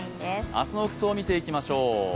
明日の服装見ていきましょう。